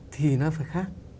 thì nó phải khác